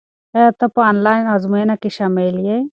ایا ته په انلاین ازموینه کې شامل یې؟